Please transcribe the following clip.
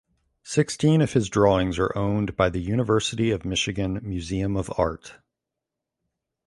Sixteen of his drawings are owned by the University of Michigan Museum of Art.